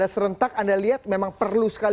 mestinya karena serentak anda lihat memang perlu dikawal